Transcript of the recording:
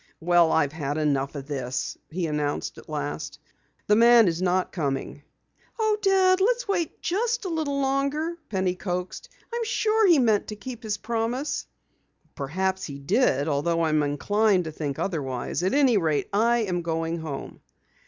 "Well, I've had enough of this!" he announced at last. "The man isn't coming." "Oh, Dad, let's wait just a little longer," Penny coaxed. "I'm sure he meant to keep his promise." "Perhaps he did, although I'm inclined to think otherwise. At any rate, I am going home!"